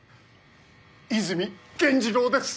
泉源次郎です！